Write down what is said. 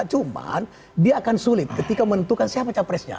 cuman dia akan sulit ketika menentukan siapa capresnya